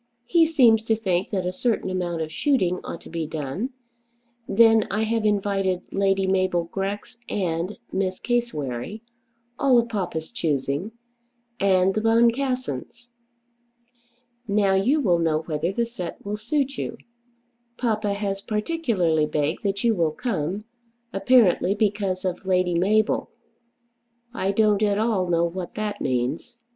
He seems to think that a certain amount of shooting ought to be done. Then I have invited Lady Mabel Grex and Miss Cassewary, all of papa's choosing, and the Boncassens. Now you will know whether the set will suit you. Papa has particularly begged that you will come, apparently because of Lady Mabel. I don't at all know what that means.